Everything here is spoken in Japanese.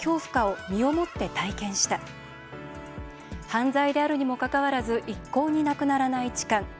犯罪であるにもかかわらず一向になくならない痴漢。